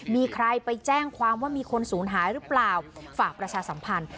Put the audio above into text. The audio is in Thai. มีใครไปแจ้งความว่ามีคนศูนย์หายหรือเปล่าฝากประชาสัมพันธ์